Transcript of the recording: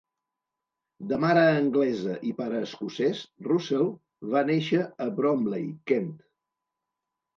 De mare anglesa i pare escocès, Russell va néixer a Bromley, Kent.